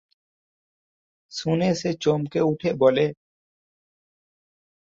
শুনে সে চমকে উঠে বলে।